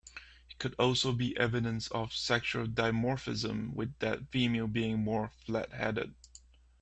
It could also be evidence of sexual dimorphism with the female being more flat-headed.